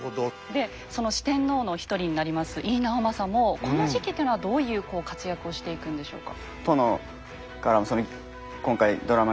でその四天王の一人になります井伊直政もこの時期っていうのはどういう活躍をしていくんでしょうか？